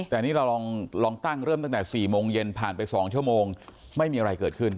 แต่นี่เราลองตั้งเริ่มตั้งแต่๔โมงเย็นผ่านไป๒ชั่วโมงไม่มีอะไรเกิดขึ้น